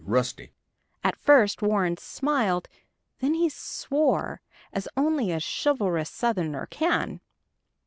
RUSTY." At first Warren smiled, then he swore, as only a chivalrous Southron can!